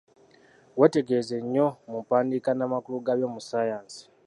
Wetegereze enjawulo mu mpandiika n'amakulu gabyo mu ssayansi